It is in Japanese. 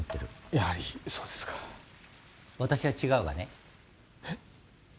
やはりそうですか私は違うがねえっ？